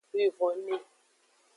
Wivonne.